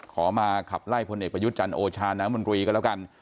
ขอมาขับไล่พลเอกประยุทธ์จันทร์โอชาน้ำมนตรีก็แล้วกัน